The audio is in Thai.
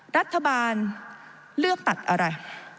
รัฐบาลเลือกตัดอะไร